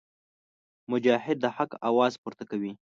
مجاهد د حق اواز پورته کوي.